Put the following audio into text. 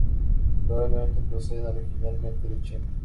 Probablemente proceden originalmente de China.